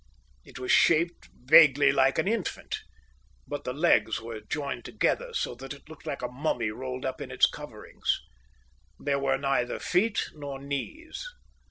It was shaped vaguely like an infant, but the legs were joined together so that it looked like a mummy rolled up in its coverings. There were neither feet nor knees.